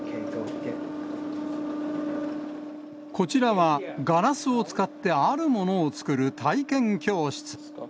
こちらは、ガラスを使ってあるものを作る体験教室。